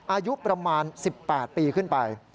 อายุประมาณ๑๘ปีขึ้นไป